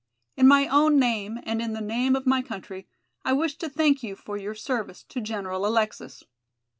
In my own name and in the name of my country, I wish to thank you for your service to General Alexis."